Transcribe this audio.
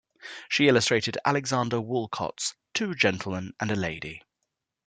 She illustrated Alexander Woollcott's "Two Gentlemen and a Lady".